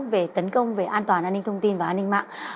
về tấn công về an toàn an ninh thông tin và an ninh mạng